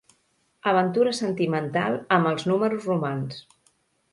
Aventura sentimental amb els números romans.